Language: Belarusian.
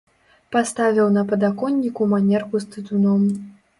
Паставіў на падаконніку манерку з тытуном.